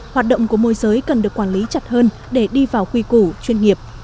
hoạt động của môi giới cần được quản lý chặt hơn để đi vào quy củ chuyên nghiệp